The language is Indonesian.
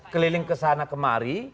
keliling kesana kemari